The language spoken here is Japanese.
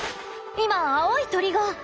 今青い鳥が。